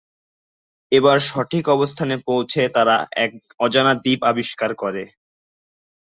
এবার সঠিক অবস্থানে পৌঁছে তারা এক অজানা দ্বীপ আবিষ্কার করে।